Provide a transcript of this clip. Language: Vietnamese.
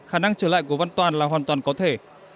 khả năng trở lại của văn toàn là hoàn toàn có thể